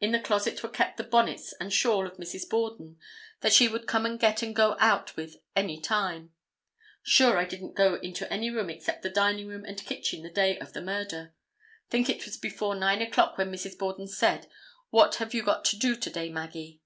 In the closet were kept the bonnets and shawl of Mrs. Borden, that she would come and get and go out with any time. Sure I didn't go into any room except the dining room and kitchen the day of the murder. Think it was before 9 o'clock when Mrs. Borden said, 'What have you got to do to day, Maggie?